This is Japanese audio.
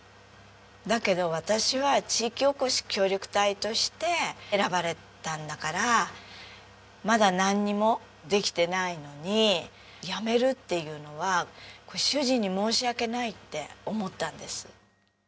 だけど私は地域おこし協力隊として選ばれたんだからまだなんにもできてないのにやめるっていうのは主人に申し訳ないって思ったんです。